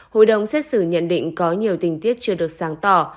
hội đồng xét xử nhận định có nhiều tình tiết chưa được sáng tỏ